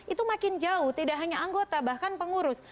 itu makin jauh tidak hanya anggota bahkan pengurus